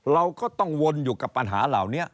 เราก็ต้องวนอยู่กับปัญหาเหล่านี้